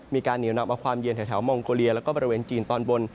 เหนียวนำเอาความเย็นแถวมองโกเลียแล้วก็บริเวณจีนตอนบน